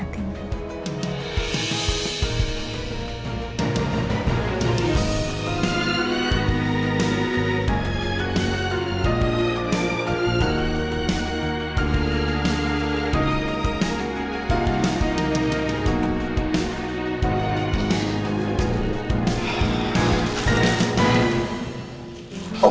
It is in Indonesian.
aku beruntung dan bersyukur